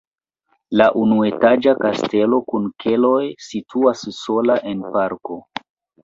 La unuetaĝa kastelo kun keloj situas sola en parko.